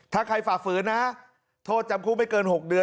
ถ้าใครฝ่าฝืนนะโทษจำคุกไม่เกิน๖เดือน